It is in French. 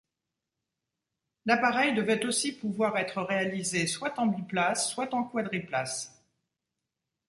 L’appareil devait aussi pouvoir être réalisé soit en biplace soit en quadriplace.